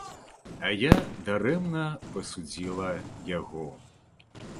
А я дарэмна пасудзіла яго.